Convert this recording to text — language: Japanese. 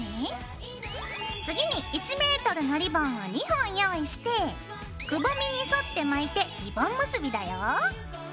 次に１ｍのリボンを２本用意してくぼみに沿って巻いてリボン結びだよ。